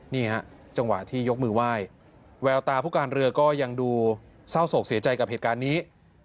นี่ฮะจังหวะที่ยกมือไหว้แววตาผู้การเรือก็ยังดูเศร้าโศกเสียใจกับเหตุการณ์นี้